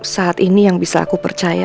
saat ini yang bisa aku percaya